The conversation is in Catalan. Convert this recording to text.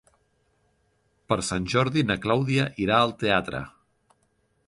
Per Sant Jordi na Clàudia irà al teatre.